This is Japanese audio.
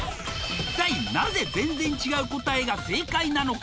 一体なぜ全然違う答えが正解なのか？